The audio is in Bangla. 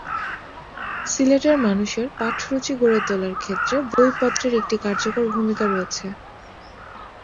সিলেটের মানুষের পাঠরুচি গড়ে তোলার ক্ষেত্রে বইপত্রের একটি কার্যকর ভূমিকা রয়েছে।